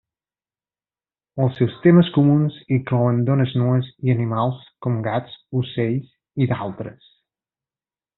Els seus temes comuns inclouen dones nues i animals com gats, ocells i d'altres.